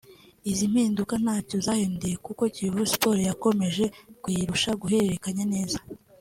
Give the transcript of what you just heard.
Izi mpinduka ntacyo zahinduye kuko Kiyovu Sports yakomeje kuyirusha guhererekanya neza